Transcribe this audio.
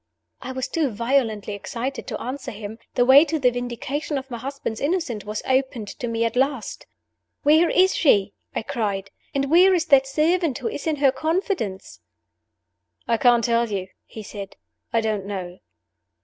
I was too violently excited to answer him. The way to the vindication of my husband's innocence was opened to me at last! "Where is she?" I cried. "And where is that servant who is in her confidence?" "I can't tell you," he said. "I don't know."